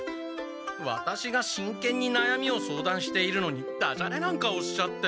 ワタシがしんけんになやみを相談しているのにダジャレなんかおっしゃって。